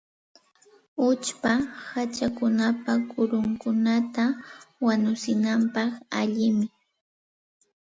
Uchpaqa hachapa kurunkunata wanuchinapaq allinmi.